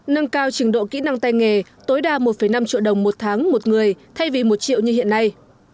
nâng cao trình độ kỹ năng tay nghề tối đa một năm triệu đồng một tháng một người thay vì một triệu như hiện nay